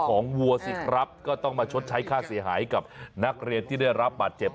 วัวสิครับก็ต้องมาชดใช้ค่าเสียหายกับนักเรียนที่ได้รับบาดเจ็บ